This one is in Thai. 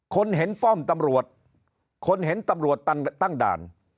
คนเห็นป้อมตำรวจคนเห็นตำรวจตั้งด่าน